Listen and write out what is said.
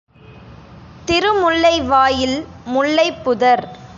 திருமுல்லை வாயில் முல்லைப்புதர்.